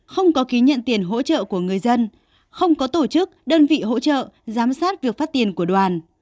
không có ký nhận tiền hỗ trợ của người dân không có tổ chức đơn vị hỗ trợ giám sát việc phát tiền của đoàn